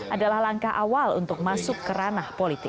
adalah langkah awal untuk masuk ke ranah politik